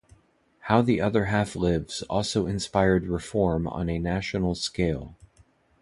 "How the Other Half Lives" also inspired reform on a national scale.